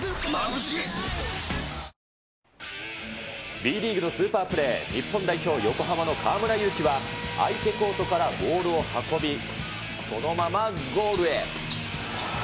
Ｂリーグのスーパープレー、日本代表、横浜の河村勇輝は、相手コートからボールを運び、そのままゴールへ。